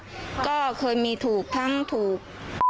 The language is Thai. ความปลอดภัยของนายอภิรักษ์และครอบครัวด้วยซ้ำ